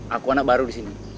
aku anak baru di sini